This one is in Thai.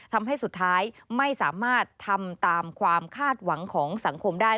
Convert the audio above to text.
ทำให้สุดท้ายไม่สามารถทำตามความคาดหวังของสังคมได้